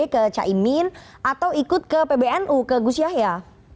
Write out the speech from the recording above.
ke caimin atau ikut ke pbnu ke gus yahya